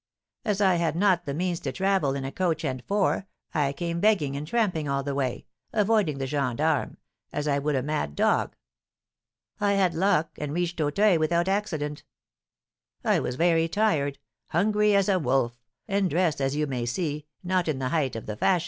As I had not the means to travel in a coach and four, I came begging and tramping all the way, avoiding the gens d'armes as I would a mad dog. I had luck, and reached Auteuil without accident. I was very tired, hungry as a wolf, and dressed, as you may see, not in the height of the fashion."